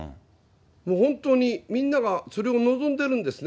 本当にみんながそれを望んでるんですね。